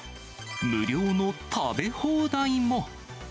無料の食べ放題も。